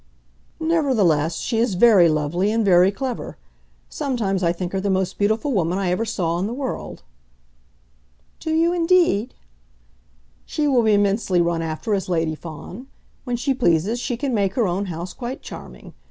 "Nevertheless she is very lovely, and very clever. Sometimes I think her the most beautiful woman I ever saw in the world." "Do you, indeed?" "She will be immensely run after as Lady Fawn. When she pleases she can make her own house quite charming.